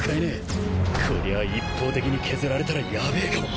こりゃあ一方的に削られたらヤベえかも。